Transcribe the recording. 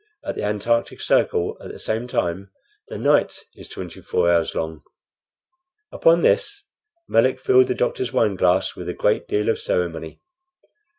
At the antarctic circle at the same time the night is twenty four hours long." Upon this Melick filled the doctor's wine glass with a great deal of ceremony.